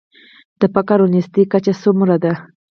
د فقر او نیستۍ کچه څومره ده؟